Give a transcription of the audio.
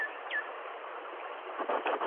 د دلارام په بازار کي هره جمعه د مالونو میله وي